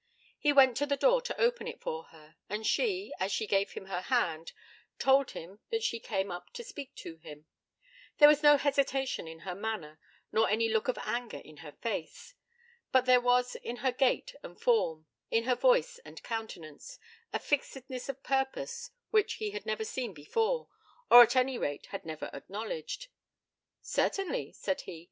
He went to the door to open it for her, and she, as she gave him her hand, told him that she came up to speak to him. There was no hesitation in her manner, nor any look of anger in her face. But there was in her gait and form, in her voice and countenance, a fixedness of purpose which he had never seen before, or at any rate had never acknowledged. 'Certainly,' said he.